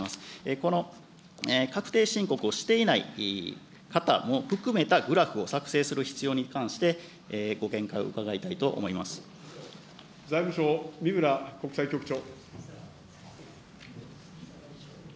この確定申告をしていない方も含めたグラフを作成する必要性に関財務省、みむら国際局長。